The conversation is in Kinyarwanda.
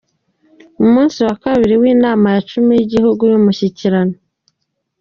Umunsi wa kabiri w’Inama ya cumi y’Igihugu y’Umushyikirano